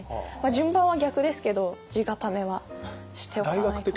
順番は逆ですけど地固めはしておかないとなって。